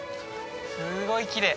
すごいきれい。